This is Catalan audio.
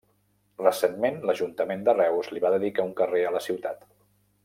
Recentment l'ajuntament de Reus li va dedicar un carrer a la ciutat.